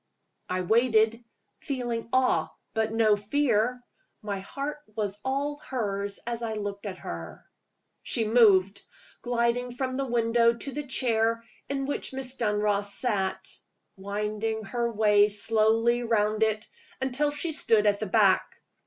I waited feeling awe, but no fear. My heart was all hers as I looked at her. She moved; gliding from the window to the chair in which Miss Dunross sat; winding her way slowly round it, until she stood at the back.